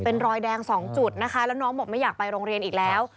เป็นรอยแดงสองจุดนะคะแล้วน้องบอกไม่อยากไปโรงเรียนอีกแล้ว